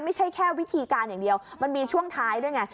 ไม่ใช่แค่วิธีการอย่างเดียวมันมีช่วงท้ายด้วยไง